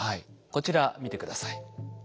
こちら見て下さい。